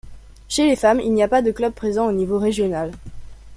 Chez les femmes, il n'y a pas de club présent au niveau régional.